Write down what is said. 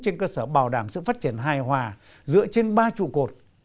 trên cơ sở bảo đảm sự phát triển hài hòa dựa trên ba trụ cột